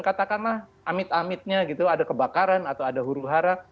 katakanlah amit amitnya gitu ada kebakaran atau ada huru hara